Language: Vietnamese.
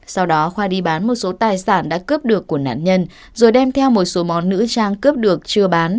sau đó khoa đi bán một số tài sản đã cướp được của nạn nhân rồi đem theo một số món nữ trang cướp được chưa bán